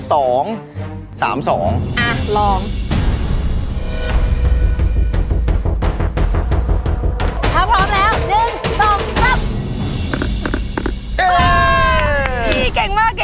ถ้าพร้อมแล้ว๑๒๓